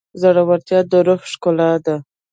زړورتیا د روح ښکلا ده.